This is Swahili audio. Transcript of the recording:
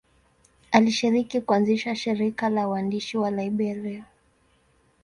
Alishiriki kuanzisha shirika la waandishi wa Liberia.